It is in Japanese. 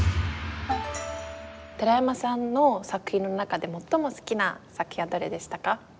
寺山さんの作品の中で最も好きな作品はどれでしたか？